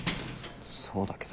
そうだけど。